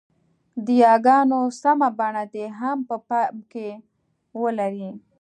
د ی ګانو سمه بڼه دې هم په پام کې ولري.